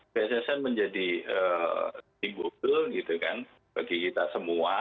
bssn menjadi simbol gitu kan bagi kita semua